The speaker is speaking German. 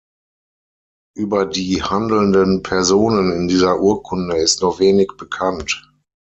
Über die handelnden Personen in dieser Urkunde ist nur wenig bekannt.